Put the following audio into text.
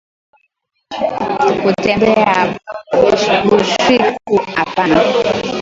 Kutembea bushiku apana